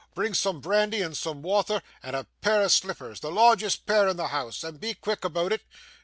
Bring soom brandy and soom wather, and a pair o' slippers the largest pair in the house and be quick aboot it.